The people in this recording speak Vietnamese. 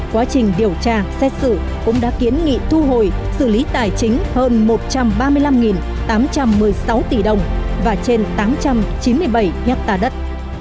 quá trình điều tra xét xử cũng đã kiến nghị thu hồi xử lý tài chính hơn một trăm ba mươi năm tám trăm một mươi sáu tỷ đồng và trên tám trăm chín mươi bảy hectare đất